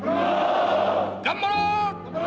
頑張ろう！